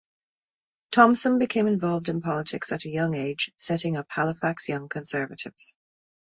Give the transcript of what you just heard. Thompson became involved in politics at a young age, setting up Halifax Young Conservatives.